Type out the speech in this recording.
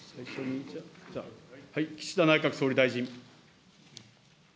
岸田内閣総理大臣。